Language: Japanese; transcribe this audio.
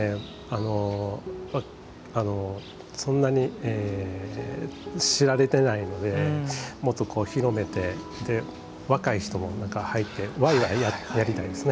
あのそんなに知られてないのでもっと広めて若い人も中入ってわいわいやりたいですね。